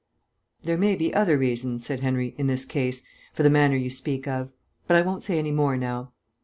"There may be other reasons," said Henry, "in this case, for the manner you speak of.... But I won't say any more now."